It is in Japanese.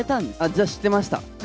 じゃあ知ってました。